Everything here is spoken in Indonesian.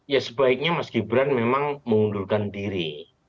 ya sebaiknya mas gibran memang mengundurkan diri